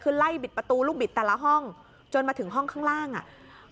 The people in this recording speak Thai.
คือไล่บิดประตูลูกบิดแต่ละห้องจนมาถึงห้องข้างล่างอ่ะ